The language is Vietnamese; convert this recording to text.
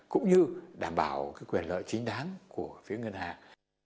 cũng như đảm bảo quyền lợi chính đáng của phía ngân hàng